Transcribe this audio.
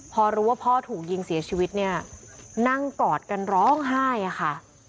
พอรู้ว่าพ่อถูกยิงเสียชีวิตเนี่ยนั่งกอดกันร้องไห้อะค่ะ